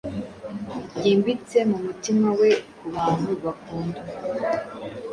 Byimbitse mumutima we kubantu bakundwa